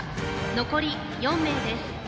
残り４名です。